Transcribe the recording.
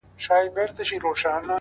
زه مي دوې نښي د خپل یار درته وایم,